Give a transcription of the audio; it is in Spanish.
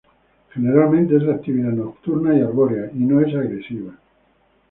Generalmente es de actividad nocturna y arbórea y no es agresiva.